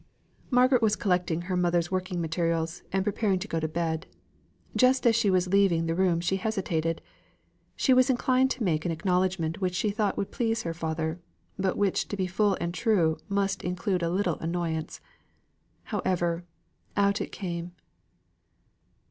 Margaret was collecting her mother's working materials, and preparing to go to bed. Just as she was leaving the room, she hesitated she was inclined to make an acknowledgment which she thought would please her father, but which to be full and true must include a little annoyance. However, out it came.